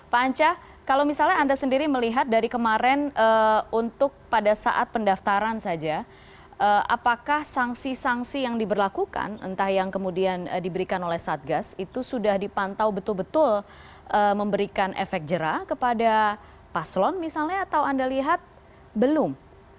pak anca kalau misalnya anda sendiri melihat dari kemarin untuk pada saat pendaftaran saja apakah sanksi sanksi yang diberlakukan entah yang kemudian diberikan oleh satgas itu sudah dipantau betul betul memberikan efek jerah kepada paslon misalnya atau anda lihat belum